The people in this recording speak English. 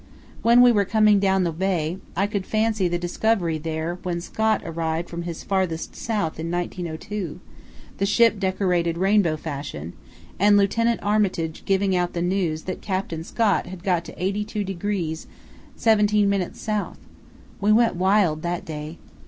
When we were coming down the bay I could fancy the Discovery there when Scott arrived from his Farthest South in 1902, the ship decorated rainbow fashion, and Lieutenant Armitage giving out the news that Captain Scott had got to 82° 17´ S. We went wild that day.